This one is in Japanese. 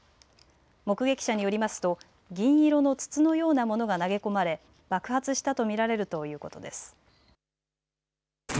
目撃者によりますと銀色の筒のようなものが投げ込まれ爆発したと見られるということです。